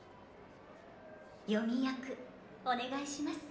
詠み役お願いします。